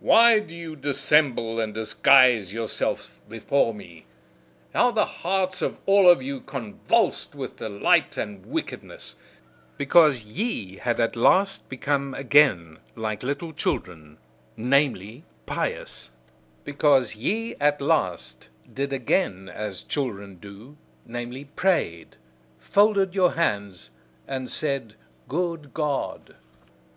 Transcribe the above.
Why do ye dissemble and disguise yourselves before me! How the hearts of all of you convulsed with delight and wickedness, because ye had at last become again like little children namely, pious, Because ye at last did again as children do namely, prayed, folded your hands and said 'good God'!